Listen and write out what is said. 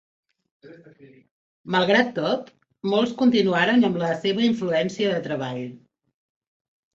Malgrat tot, molts continuaren amb la seva influència de treball.